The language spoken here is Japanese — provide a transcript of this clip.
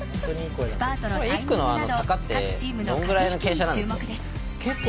スパートのタイミングなど各チームの駆け引きに注目です。